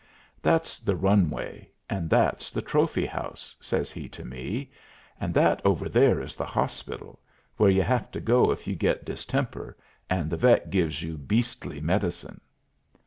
"That's the runway, and that's the trophy house," says he to me, "and that over there is the hospital, where you have to go if you get distemper, and the vet gives you beastly medicine."